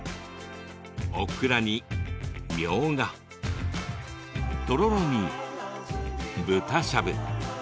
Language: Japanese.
オクラに、みょうがとろろに豚しゃぶ。